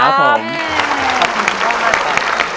ขอบคุณพ่อมาก